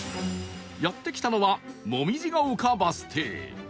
やって来たのは紅葉ヶ丘バス停